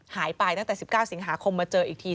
หายไปตั้งแต่๑๙สิงหาคมมาเจออีกที